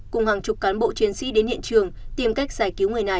cùng hàng chục cán bộ chiến sĩ đến hiện trường tìm cách giải cứu người này